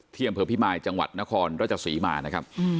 ที่จังหวัดพิมายร์นครราชสีมานะครับ